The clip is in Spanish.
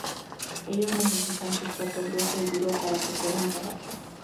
Ellos necesitan sustrato grueso y duro para que puedan cavar.